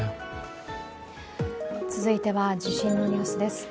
続いては地震のニュースです。